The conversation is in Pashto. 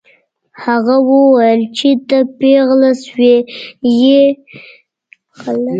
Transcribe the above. هغه وویل چې ته پیغله شوې يې او خلک به بد وايي